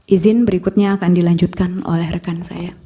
izin berikutnya akan dilanjutkan oleh rekan saya